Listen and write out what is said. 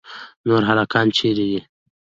نور هلکان چیرې دي.